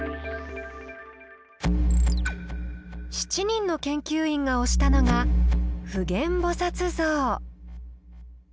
７人の研究員が推したのが「普賢菩薩像」。